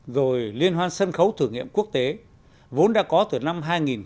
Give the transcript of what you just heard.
rồi liên hoan sân khấu thử nghiệm quốc tế vốn đã có từ năm hai nghìn hai